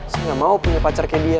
saya gak mau punya pacar kayak dia